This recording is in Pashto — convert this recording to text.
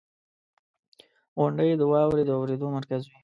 • غونډۍ د واورې د اورېدو مرکز وي.